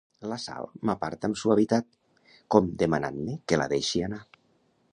La Sal m'aparta amb suavitat, com demanant-me que la deixi anar.